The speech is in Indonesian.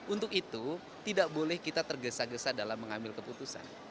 untuk itu tidak boleh kita tergesa gesa dalam mengambil keputusan